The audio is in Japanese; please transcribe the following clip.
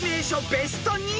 ベスト２０］